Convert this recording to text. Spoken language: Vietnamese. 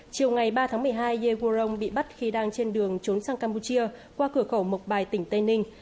chiều ngày ba tháng một mươi hai yegurong bị bắt khi đang trên đường trốn sang campuchia qua cửa khẩu mộc bài tỉnh tây ninh